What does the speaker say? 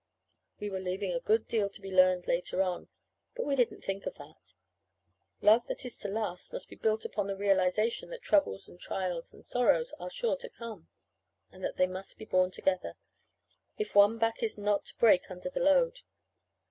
We were leaving a good deal to be learned later on; but we didn't think of that. Love that is to last must be built upon the realization that troubles and trials and sorrows are sure to come, and that they must be borne together if one back is not to break under the load.